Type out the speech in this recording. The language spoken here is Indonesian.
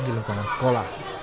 di lingkungan sekolah